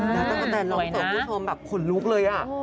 ตากะแจนรอดเซิร์มคุณผู้ชมแบบขนลุกเลยอะ